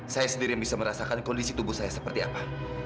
saya sendiri yang bisa merasakan kondisi tubuh saya seperti apa